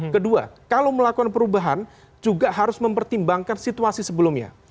kedua kalau melakukan perubahan juga harus mempertimbangkan situasi sebelumnya